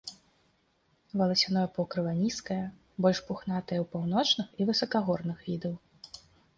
Валасяное покрыва нізкае, больш пухнатае ў паўночных і высакагорных відаў.